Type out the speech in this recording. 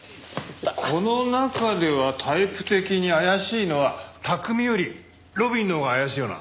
この中ではタイプ的に怪しいのは拓海より路敏のほうが怪しいよな。